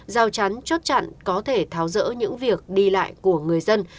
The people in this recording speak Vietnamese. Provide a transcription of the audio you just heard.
giao chắn chốt chặn có thể tháo rỡ những việc đi lại của người dân